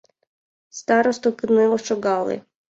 Старосто кынел шогале: